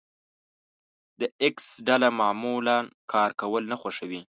د ايکس ډله معمولا کار کول نه خوښوي.